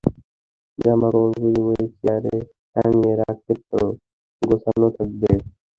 জামা কাপড় খুলে ঐ চেয়ারে টাঙিয়ে রাখতে পারো, গোছানো থাকবে।